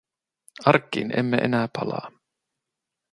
Arkkiin emme enää palaa.